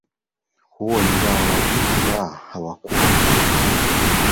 huo ingawa watu kadhaa huweza kuongoza wimbo Olaranyani huanza kwa kuimba mstari kichwa namba